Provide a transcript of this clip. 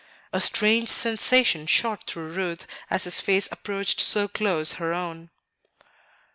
A strange sensation shot through Ruth as his face approached so close her own.